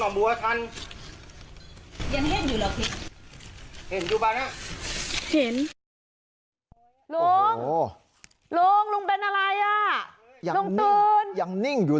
เห็นดูบ้างยินลุงลุงลุงเป็นอะไรอ่่ะลุงตื่นยังนิ่งอยู่